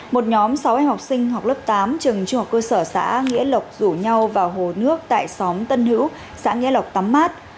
một nhóm sáu em học sinh học lớp tám trường trung học cơ sở xã nghĩa lộc rủ nhau vào hồ nước tại xóm tân hữu xã nghĩa lộc tắm mát